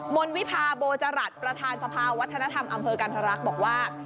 นวิพาโบจรัสประธานสภาวัฒนธรรมอำเภอกันธรรักษ์บอกว่า